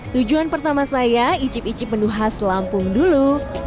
tujuan pertama saya icip icip menu khas lampung dulu